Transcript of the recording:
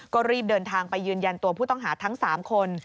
ก็รีบเดินทางไปยืนยันตัวผู้ต้องหาทั้ง๓คน